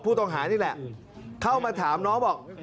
ผู้ต้องหานี่แหละเข้ามาถามน้องบอก